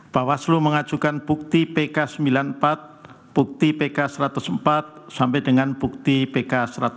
bawaslu mengajukan bukti pk sembilan puluh empat bukti pk satu ratus empat sampai dengan bukti pk satu ratus empat puluh